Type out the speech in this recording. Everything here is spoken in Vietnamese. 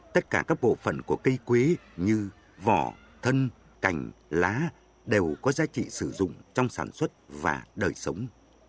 tất cả các bộ phận của cây quý như vỏ thân cành lá đều có giá trị sử dụng trong sản xuất và đời sống